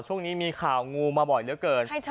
ช่วงนี้มีข่าวงูมาบ่อยเหลือเกิน